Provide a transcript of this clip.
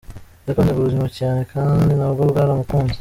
Yakundaga ubuzima cyane kandi nabwo bwaramukunze!”.